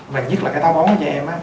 và nhất là cái tháo bóng của trẻ em á